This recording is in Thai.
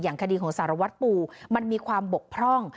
อย่างคดีของสรวรรษปูอล์มันมีความบกพร่อง